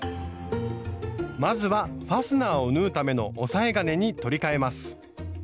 まずはファスナーを縫うための押さえ金に取り替えます。